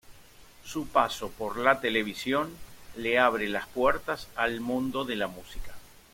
Su paso por la televisión le abre las puertas al mundo de la música.